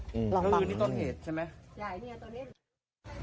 เราอยู่ในต้นเหตุใช่ไหมอย่างนี้ตอนนี้ลองฟังหน่อย